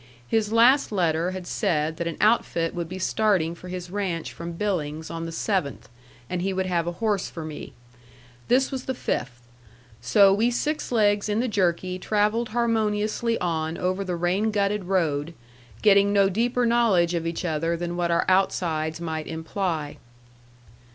His last letter had said that an outfit would be starting for his ranch from Billings on the seventh, and he would have a horse for me. This was the fifth. So we six legs in the jerky travelled harmoniously on over the rain gutted road, getting no deeper knowledge of each other than what our outsides might imply.